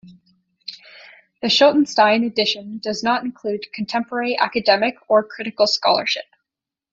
The Schottenstein Edition does not include contemporary academic or critical scholarship.